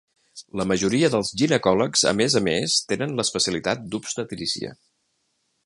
La majoria dels ginecòlegs a més a més tenen l'especialitat d'obstetrícia.